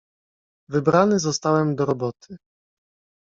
"Wybrany zostałem do „roboty“."